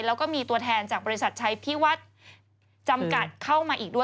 แล้วก็มีตัวแทนจากบริษัทชัยพิวัฒน์จำกัดเข้ามาอีกด้วย